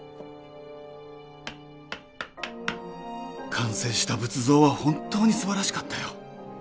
完成した仏像は本当に素晴らしかったよ。